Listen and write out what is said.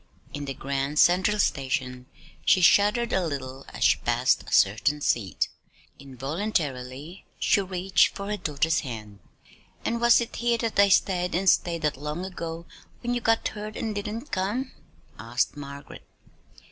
In the Grand Central Station she shuddered a little as she passed a certain seat. Involuntarily she reached for her daughter's hand. "And was it here that I stayed and stayed that day long ago when you got hurt and didn't come?" asked Margaret.